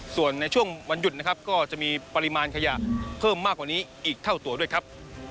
ส่วนในช่วงวันหยุดนะครับก็จะมีปริมาณขยะเพิ่มมากกว่านี้อีกเท่าตัวด้วยครับ